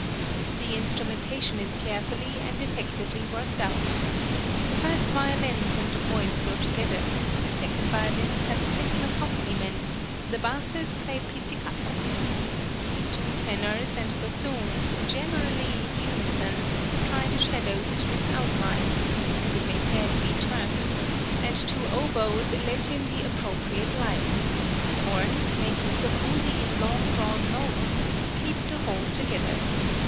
The instrumentation is carefully and effectively worked out. The first violins and the voice go together, the second violins have a simple accompaniment, the basses {THE FIRST OPERA IN VIENNA.} (78) play pizzicato. Two tenors and bassoons, generally in unison, supply the shadows to this outline (as it may fairly be termed), and two oboes let in the appropriate lights; the horns, made use of only in long drawn notes, keep the whole together.